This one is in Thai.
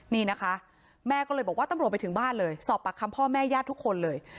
นี่นะคะแม่ก็เลยบอกว่าตำรวจไปถึงบ้านเลยสอบปากคำพ่อแม่ญาติทุกคนเลย